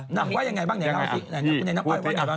นางว่ายังไงบ้างแอนนับอ้อยว่ายังไงบ้าง